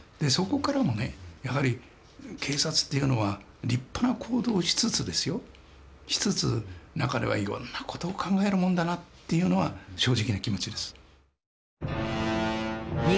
そこからもねやはり警察というのは立派な行動をしつつですよしつつ中ではいろんな事を考えるもんだなというのは正直な気持ちです。